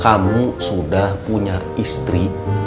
kamu sudah punya istri